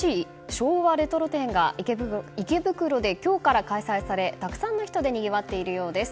昭和レトロ展が池袋で今日から開催されたくさんの人でにぎわっているそうです。